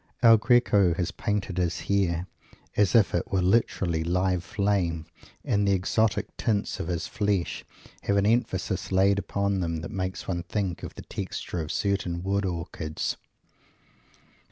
El Greco has painted his hair as if it were literally live flame and the exotic tints of his flesh have an emphasis laid upon them that makes one think of the texture of certain wood orchids.